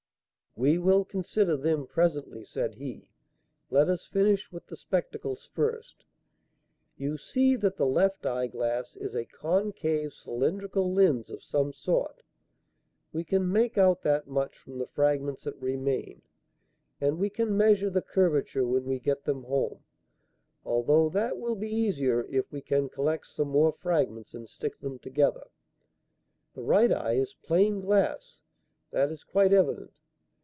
"We will consider them presently," said he. "Let us finish with the spectacles first. You see that the left eye glass is a concave cylindrical lens of some sort. We can make out that much from the fragments that remain, and we can measure the curvature when we get them home, although that will be easier if we can collect some more fragments and stick them together. The right eye is plain glass; that is quite evident.